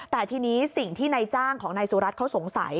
แต่ทีนี้สิ่งที่นายจ้างของนายสุรัตน์เขาสงสัย